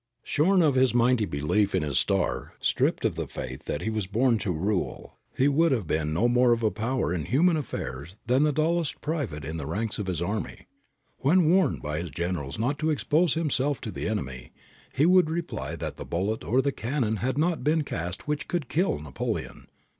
Shorn of his mighty belief in his star, stripped of the faith that he was born to rule, he would have been no more of a power in human affairs than the dullest private in the ranks of his army. When warned by his generals not to expose himself to the enemy, he would reply that the bullet or the cannon had not been cast which could kill Napoleon.